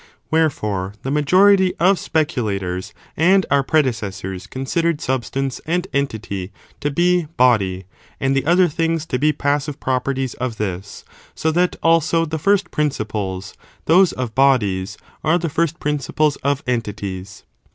Wherefore, the majority of speculators and our j. Appeal, on predecessors considered substance and entity to this subject, to be body, and the other things to be passive *°^' properties of this;^ so that, also, the first principles — those of bodies — are the first principles of entities.